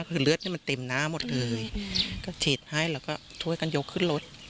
คือเลือดนี่มันเต็มหน้าหมดเลยก็ฉีดให้แล้วก็ช่วยกันยกขึ้นรถ